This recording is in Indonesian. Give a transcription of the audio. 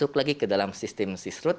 masuk lagi ke dalam sistem sisrut